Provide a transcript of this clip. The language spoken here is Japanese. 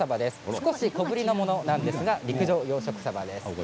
少し小ぶりのものなんですが陸上養殖サバです。